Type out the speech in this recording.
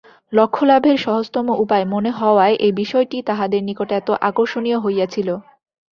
লক্ষ্য-লাভের সহজতম উপায় মনে হওয়ায় এ-বিষয়টি তাঁহাদের নিকট এত আকর্ষণীয় হইয়াছিল।